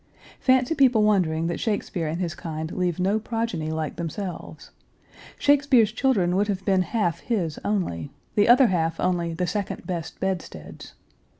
Fancy people wondering that Shakespeare and his kind leave no progeny like themselves! Shakespeare's children would have been half his only; the other half only the second best bedstead's.